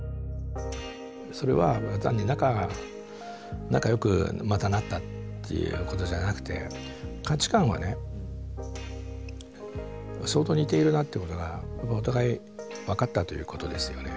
それは単に仲良くまたなったっていうことじゃなくて価値観はね相当似ているなっていうことがお互い分かったということですよね。